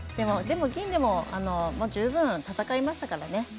でも、銀でも十分、戦いましたからね。